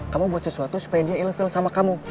kamu buat sesuatu supaya dia ilu ilu sama kamu